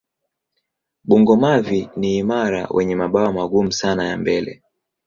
Bungo-mavi ni imara wenye mabawa magumu sana ya mbele.